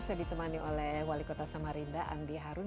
saya ditemani oleh wali kota samarinda andi harun